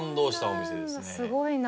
すごいな。